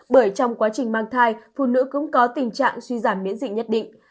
bởi trong quá trình mang thai phụ nữ cũng có tình trạng suy giảm miễn dịch nhất định